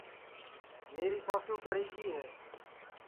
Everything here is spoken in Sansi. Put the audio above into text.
میری ساسو کری گی ہے